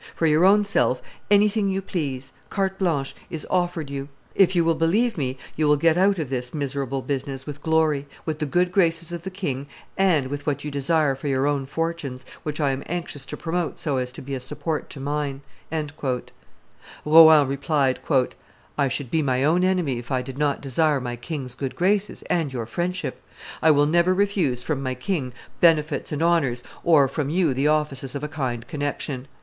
For your own self, anything you please (carte blanche) is offered you. ... If you will believe me, you will get out of this miserable business with glory, with the good graces of the king, and with what you desire for your own fortunes, which I am anxious to promote so as to be a support to mine." Rohan replied, "I should be my own enemy if I did not desire my king's good graces and your friendship. I will never refuse from my king benefits and honors, or from you the offices of a kind connection.